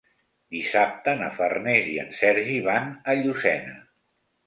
Dissabte na Farners i en Sergi van a Llucena.